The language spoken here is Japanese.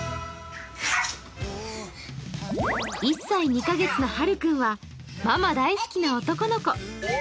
１歳２カ月のはるくんはママ大好きな男の子。